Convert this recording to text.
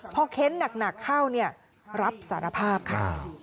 เพราะเค้นหนักเข้ารับสารภาพค่ะ